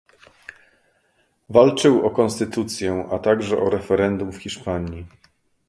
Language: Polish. Walczył o konstytucję, a także o referendum w Hiszpanii